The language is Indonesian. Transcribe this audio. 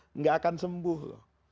tidak akan sembuh